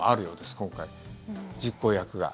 今回、実行役が。